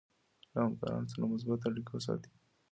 له همکارانو سره مثبت اړیکه وساتئ.